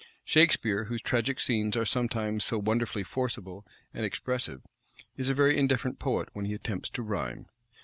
Shakspeare, whose tragic scenes are sometimes so wonderfully forcible and expressive, is a very indifferent poet when he attempts to rhyme.